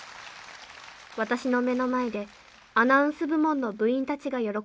私の目の前でアナウンス部門の部員たちが喜んでいた。